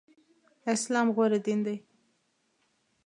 اسلام غوره دين دی.